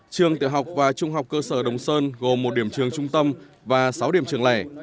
trường tiểu học và trung học cơ sở đồng sơn gồm một điểm trường trung tâm và sáu điểm trường lẻ